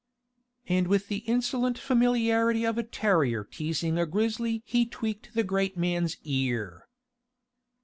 And with the insolent familiarity of a terrier teasing a grizzly he tweaked the great man's ear.